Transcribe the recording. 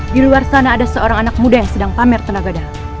di luar sana ada seorang anak muda yang sedang pamer tenaga darah